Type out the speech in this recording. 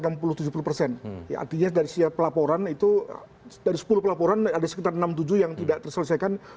artinya dari siap pelaporan itu dari sepuluh pelaporan ada sekitar enam tujuh yang tidak terselesaikan